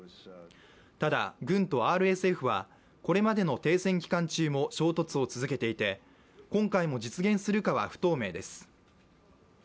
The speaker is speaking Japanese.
ただ、軍とＲＳＦはこれまでの停戦期間中も衝突を続けていて今回も実現するかは不透明です。